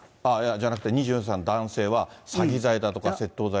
じゃなくて、２４歳の男性は詐欺罪だとか窃盗罪。